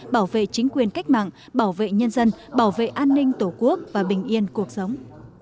bảo vệ chính quyền cách mạng bảo vệ nhân dân bảo vệ an ninh tổ quốc và bình yên cuộc sống